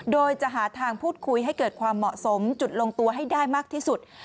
โดยจะหาทางพูดคุยให้เกิดความเหมาะสมจุดลงตัวให้ได้มากที่สุด